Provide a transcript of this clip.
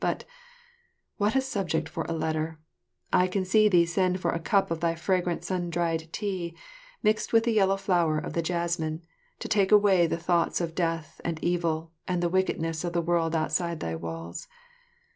But what a subject for a letter! I can see thee send for a cup of thy fragrant sun dried tea, mixed with the yellow flower of the jessamine, to take away the thoughts of death and evil and the wickedness of the world outside thy walls.